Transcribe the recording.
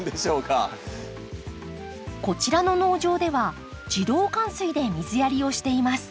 こちらの農場では自動潅水で水やりをしています。